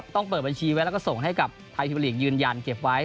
เปิดบัญชีไว้แล้วก็ส่งให้กับไทยพิมลีกยืนยันเก็บไว้